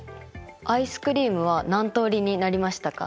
アイスクリームは何通りになりましたか？